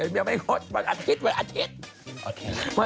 วันอาทิตย์วันอาทิตย์